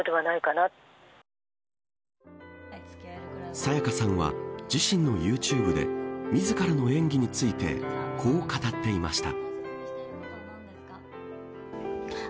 沙也加さんは自身のユーチューブで自らの演技についてこう語っていました。